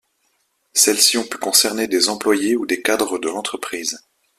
Celles-ci ont pu concerner des employés ou des cadres de l'entreprise.